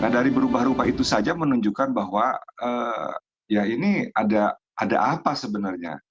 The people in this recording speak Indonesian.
dari berubah rubah itu saja menunjukkan bahwa ini ada apa sebenarnya